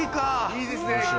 いいですね。